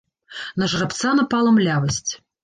На жарабца напала млявасць.